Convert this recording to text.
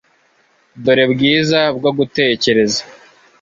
Dore bwiza bwo gutekereza